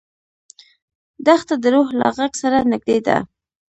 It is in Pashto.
دښته د روح له غږ سره نږدې ده.